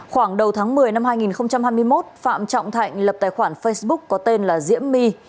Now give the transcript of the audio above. khoảng đầu tháng một mươi năm hai nghìn hai mươi một phạm trọng thạnh lập tài khoản facebook có tên là diễm my